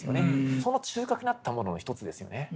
その中核にあったものの一つですよね。